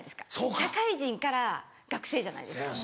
社会人から学生じゃないですか。